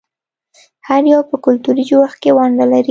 هر یو په کلتوري جوړښت کې ونډه لري.